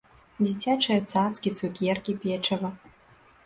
Дзіцячыя цацкі, цукеркі, печыва.